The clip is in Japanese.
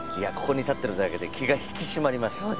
ここに立ってるだけで気が引き締まります。